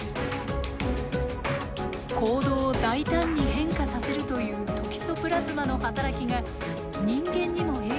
行動を大胆に変化させるというトキソプラズマの働きが人間にも影響しているとフレグルさんは考えています。